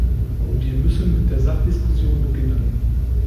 Wir müssen mit der Sachdiskussion beginnen.